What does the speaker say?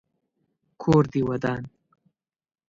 کور دي ودان .